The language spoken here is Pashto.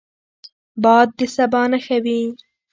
باد د سبا نښه وي